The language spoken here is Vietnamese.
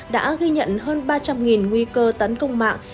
đã ghi nhận hơn ba trăm linh nguy cơ tấn công mạng